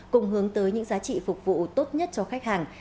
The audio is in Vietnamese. cùng hướng tới những giá trị phục vụ tốt nhất cho khách hàng